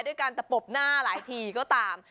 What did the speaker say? ด้วยการตะปบหน้าหลายทีก็ตาม